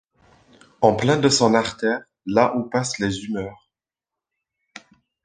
En plein dans son artère, là où passent les humeurs.